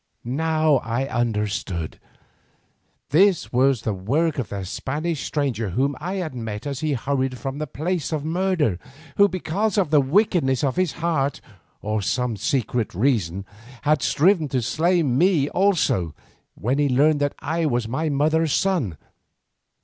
Now I understood. This was the work of that Spanish stranger whom I had met as he hurried from the place of murder, who, because of the wickedness of his heart or for some secret reason, had striven to slay me also when he learned that I was my mother's son.